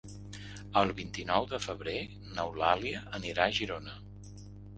El vint-i-nou de febrer n'Eulàlia anirà a Girona.